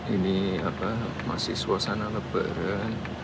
ini apa masih suasana lebaran